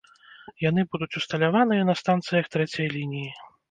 Яны будуць усталяваныя на станцыях трэцяй лініі.